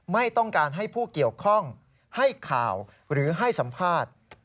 ไม่ต้องการให้ผู้เกี่ยวข้องให้ข่าวหรือให้สัมภาษณ์